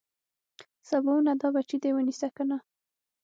سباوونه دا بچي دې ونيسه کنه.